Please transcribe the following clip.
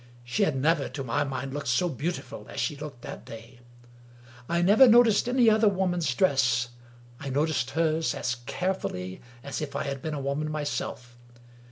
She had never, to my mind, looked so beautiful as she looked that day. I never noticed any other woman's dress — I noticed hers as care fully as if I had been a woman myself!